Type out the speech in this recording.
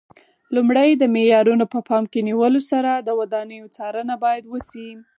لومړی د معیارونو په پام کې نیولو سره د ودانیو څارنه باید وشي.